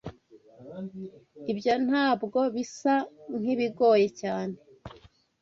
Ibyo ntabwo bisa nkibigoye cyane.